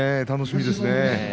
楽しみですね。